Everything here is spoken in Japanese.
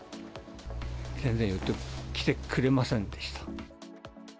全然寄ってきてくれませんでした。